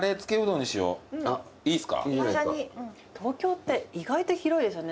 いいっすか？